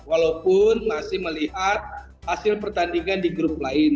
walaupun masih melihat hasil pertandingan di grup lain